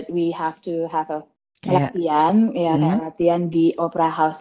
kita harus memiliki latihan di opera house